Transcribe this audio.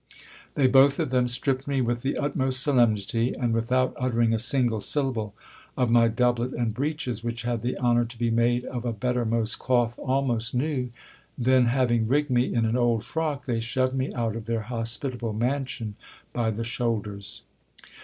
They both of them stripped me with the utmost solemnity, and without uttering a single syllable, of my doublet 28 GIL BLAS. and breeches, which had the honour to be made of a bettermost cloth almost new ; then, having rigged me in an old frock, they shoved me out of their hospitable mansion by the shoulders.